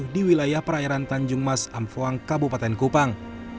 di wilayah perairan tanjung mas amfuang kabupaten kupang